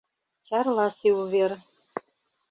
ЧАРЛАСЕ УВЕР